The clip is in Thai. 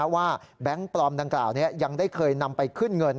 แบงค์ปลอมดังกล่าวนี้ยังได้เคยนำไปขึ้นเงิน